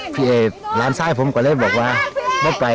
พี่หลานไส้ผมก็เลยบอกว่าไม่ไป